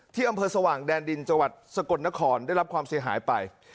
อำเภอสว่างแดนดินจังหวัดสกลนครได้รับความเสียหายไป